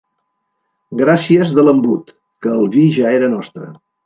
Gràcies de l'embut, que el vi ja era nostre.